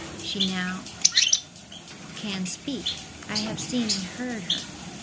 She now can speak. I have seen and heard her."